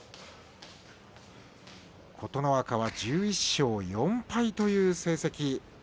琴ノ若は１１勝４敗という成績。